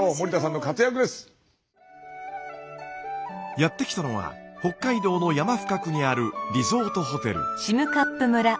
やって来たのは北海道の山深くにあるリゾートホテル。